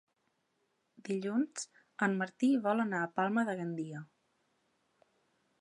Dilluns en Martí vol anar a Palma de Gandia.